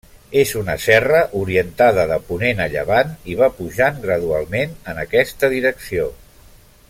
És una serra orientada de ponent a llevant, i va pujant gradualment en aquesta direcció.